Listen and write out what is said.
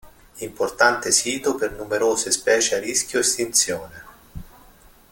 Importante sito per numerose specie a rischio estinzione.